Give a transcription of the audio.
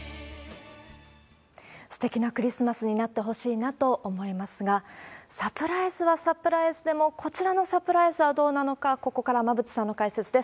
すてきなクリスマスになってほしいなと思いますが、サプライズはサプライズでも、こちらのサプライズはどうなのか、ここから、馬渕さんの解説です。